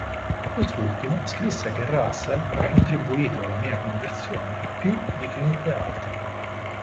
Quest'ultimo scrisse che Russell: "ha contribuito alla mia conversione più di chiunque altro".